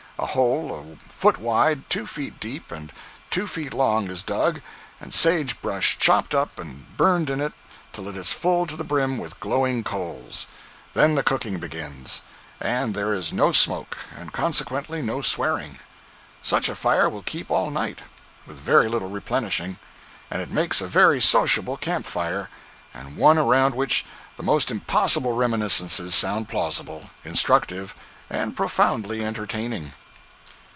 A hole a foot wide, two feet deep, and two feet long, is dug, and sage brush chopped up and burned in it till it is full to the brim with glowing coals. Then the cooking begins, and there is no smoke, and consequently no swearing. Such a fire will keep all night, with very little replenishing; and it makes a very sociable camp fire, and one around which the most impossible reminiscences sound plausible, instructive, and profoundly entertaining.